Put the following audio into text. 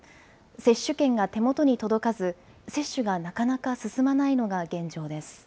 接種券が手元に届かず、接種がなかなか進まないのが現状です。